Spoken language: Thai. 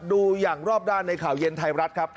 ดูอย่างรอบด้านในข่าวเย็นไทยรัฐครับ